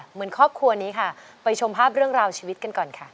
เหมือนครอบครัวนี้ค่ะไปชมภาพเรื่องราวชีวิตกันก่อนค่ะ